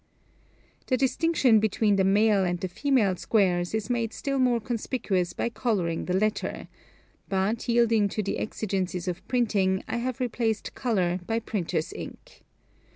] The distinction between the male and the female squares is made still more conspicuous by colouring the latter ; but, yielding to the exigencies of printing, I have replaced colour by printers' ink.